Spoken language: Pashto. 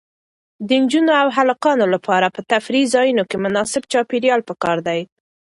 د نجونو او هلکانو لپاره په تفریحي ځایونو کې مناسب چاپیریال پکار دی.